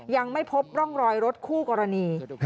ยังไม่พบร่องรอยรถคู่กรณี